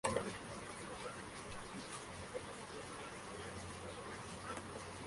Su obra incluye música sinfónica, de cámara, coral e instrumental.